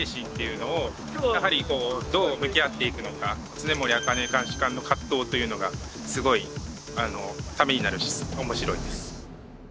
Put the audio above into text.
常守朱監視官の葛藤というのがすごいためになるし面白いです。